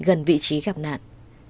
gần vị trí gặp nạn